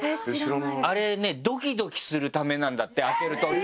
あれねドキドキするためなんだって開けるとき。